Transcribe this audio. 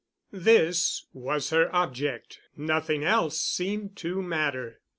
This was her object—nothing else seemed to matter.